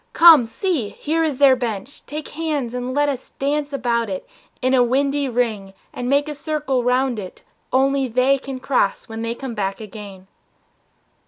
Come, see, Here is their bench, take hands and let us dance About it in a windy ring and make A circle round it only they can cross When they come back again!"